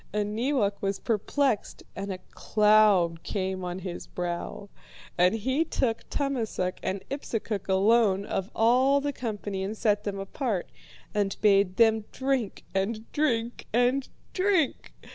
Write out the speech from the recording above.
And Neewak was perplexed and a cloud came on his brow. And he took Tummasook and Ipsukuk alone of all the company and set them apart, and bade them drink and drink and drink.